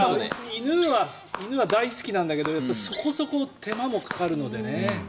犬は大好きなんだけどそこそこ手間もかかるのでね。